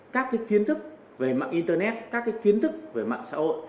các cái kiến thức về mạng internet các cái kiến thức về mạng xã hội